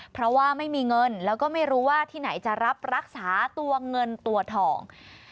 เพราะว่าไม่มีเงินแล้วก็ไม่รู้ว่าที่ไหนจะรับรักษาตัวเงินตัวทอง